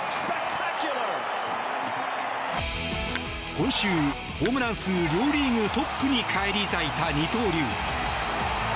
今週、ホームラン数両リーグトップに返り咲いた二刀流。